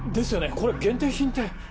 これ限定品って。